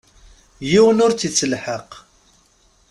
Yiwen ur tt-ittelḥaq.